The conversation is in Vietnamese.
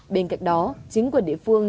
bên cạnh đó chính quyền địa phương